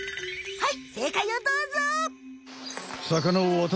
はい！